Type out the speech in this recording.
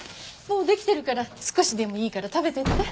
もうできてるから少しでもいいから食べてって。